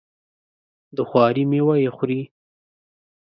د خواري میوه یې خوري.